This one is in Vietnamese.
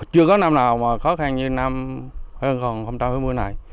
chưa có năm nào mà khó khăn như năm hơn không trong mùa này